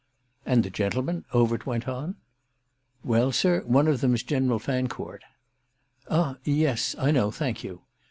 "And the gentlemen?" Overt went on. "Well, sir, one of them's General Fancourt." "Ah yes, I know; thank you."